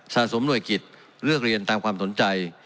สะสมหน่วยกิจเลือกเรียนตามความสนใจ